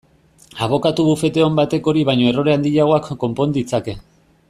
Abokatu bufete on batek hori baino errore handiagoak konpon ditzake.